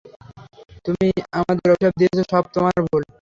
তুমি আমাদের অভিশাপ দিয়েছ, সব তোমার ভুল।